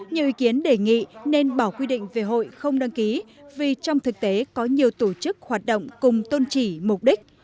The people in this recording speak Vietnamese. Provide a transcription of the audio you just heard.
nhiều ý kiến đề nghị nên bỏ quy định về hội không đăng ký vì trong thực tế có nhiều tổ chức hoạt động cùng tôn trị mục đích